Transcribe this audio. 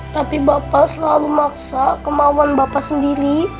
tapi bapak selalu maksa kemauan bapak sendiri